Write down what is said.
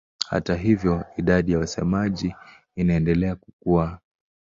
Hata hivyo idadi ya wasemaji inaendelea kukua.